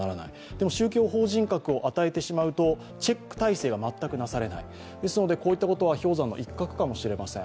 でも、宗教法人格を与えてしまうとチェック体制が全くなされない、ですので、こういったことは氷山の一角かもしれません。